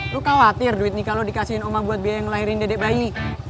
lu khawatir duit nih kalau dikasihin oma buat biaya ngelahirin dedek bayi